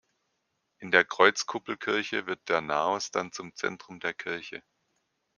In der Kreuzkuppelkirche wird der Naos dann zum Zentrum der Kirche.